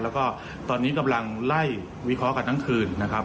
แล้วก็ตอนนี้กำลังไล่วิเคราะห์กันทั้งคืนนะครับ